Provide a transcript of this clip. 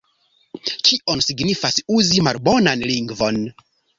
Kion signifas uzi malbonan lingvon?